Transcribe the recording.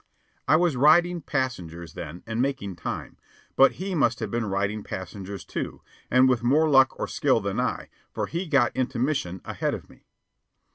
I was riding "passengers" then and making time; but he must have been riding passengers, too, and with more luck or skill than I, for he got into Mission ahead of me.